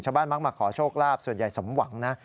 มักมาขอโชคลาภส่วนใหญ่สมหวังนะ